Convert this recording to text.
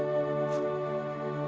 pesek air papi